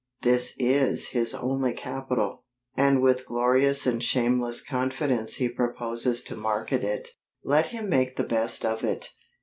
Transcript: This is his only capital, and with glorious and shameless confidence he proposes to market it. Let him make the best of it.